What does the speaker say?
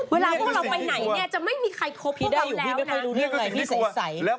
เวลาพวกเราไปไหนเนี่ยจะไม่มีใครคบพี่ได้แล้วนะ